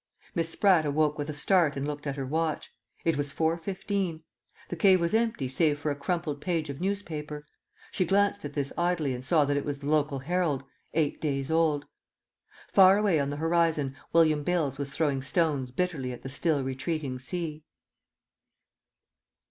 ..... Miss Spratt awoke with a start and looked at her watch. It was 4.15. The cave was empty save for a crumpled page of newspaper. She glanced at this idly and saw that it was the local Herald ... eight days old. Far away on the horizon William Bales was throwing stones bitterly at the still retreating sea.